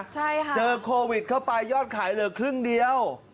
ใช่ค่ะเจอโควิดเข้าไปยอดขายเหลือครึ่งเดียว